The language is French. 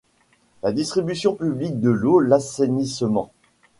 La distribution publique de l’eau, l’assainissement.